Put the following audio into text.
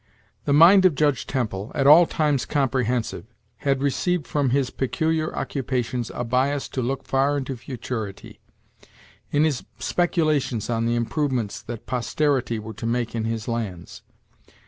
The mind of Judge Temple, at all times comprehensive, had received from his peculiar occupations a bias to look far into futurity, in his speculations on the improvements that posterity were to make in his lands.